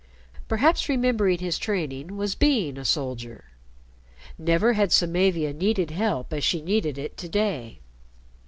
Perhaps remembering his training was being a soldier. Never had Samavia needed help as she needed it to day.